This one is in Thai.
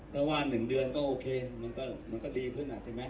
เพราะว่า๑เดือนก็โอเคมันก็ดีขึ้นใช่ไหม